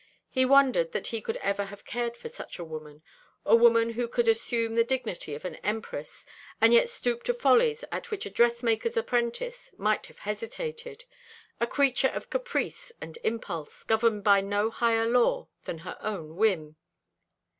He wondered that he could ever have cared for such a woman, a woman who could assume the dignity of an empress, and yet stoop to follies at which a dressmaker's apprentice might have hesitated; a creature of caprice and impulse, governed by no higher law than her own whim.